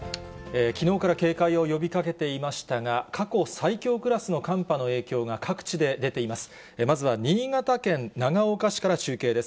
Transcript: きのうから警戒を呼びかけていましたが、過去最強クラスの寒波の影響が各地で出ています。